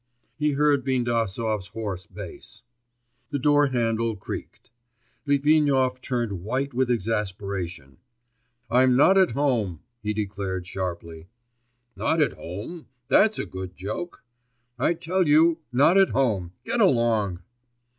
he heard Bindasov's hoarse bass. The door handle creaked. Litvinov turned white with exasperation. 'I'm not at home,' he declared sharply. 'Not at home? That's a good joke!' 'I tell you not at home, get along.